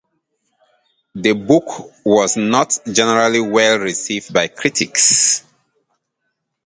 The book was not generally well received by critics.